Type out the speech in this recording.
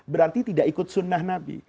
berarti tidak ikut sunnah nabi